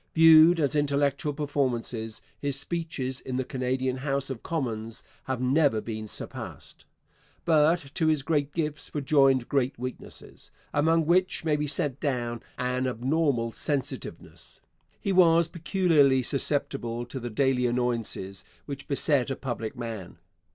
Viewed as intellectual performances, his speeches in the Canadian House of Commons have never been surpassed. But to his great gifts were joined great weaknesses, among which may be set down an abnormal sensitiveness. He was peculiarly susceptible to the daily annoyances which beset a public man.